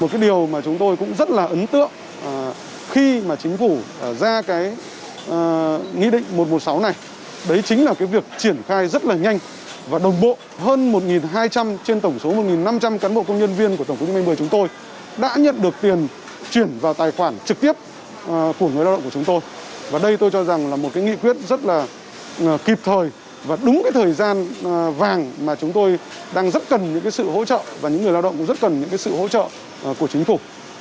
và đúng cái thời gian vàng mà chúng tôi đang rất cần những sự hỗ trợ và những người lao động cũng rất cần những sự hỗ trợ của chính phủ